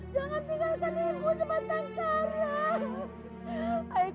jangan tinggalkan ibu tetap pergi sayang